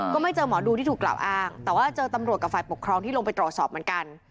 ก็ไม่เจอหมอดูที่ถูกกล่าวอ้างแต่ว่าเจอตำรวจกับฝ่ายปกครองที่ลงไปตรวจสอบเหมือนกัน